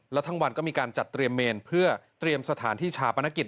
และทั้งวันก็มีการจัดเตรียมเมนเพื่อเตรียมสถานที่ชาปนกิจ